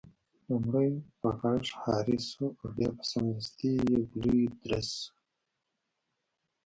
لومړی به غږهارۍ شو او بیا به سمدستي یو لوی درز شو.